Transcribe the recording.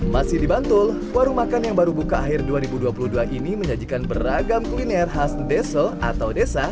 masih di bantul warung makan yang baru buka akhir dua ribu dua puluh dua ini menyajikan beragam kuliner khas desa atau desa